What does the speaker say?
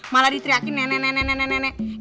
malah ditriakin nenek nenek nenek nenek